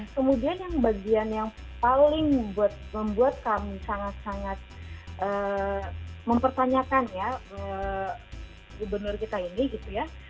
kemudian yang bagian yang paling membuat kami sangat sangat mempertanyakan ya gubernur kita ini gitu ya